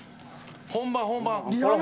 本番、本番。